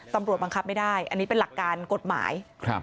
บังคับไม่ได้อันนี้เป็นหลักการกฎหมาย